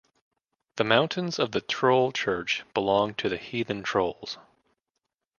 The mountains of the troll church belong to the heathen trolls.